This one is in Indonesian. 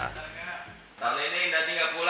tahun ini dadi tidak pulang ya